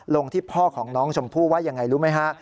ลงที่พ่อของน้องชมพู่ว่ายังไงรู้ไหมฮะ